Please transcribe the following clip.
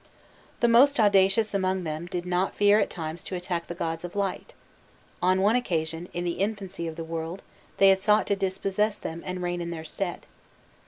The most audacious among them did not fear at times to attack the gods of light; on one occasion, in the infancy of the world, they had sought to dispossess them and reign in their stead.